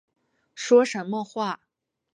说什么话